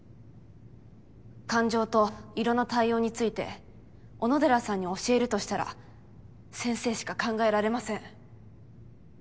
感情と色の対応について小野寺さんに教えるとしたら先生しか考えられません。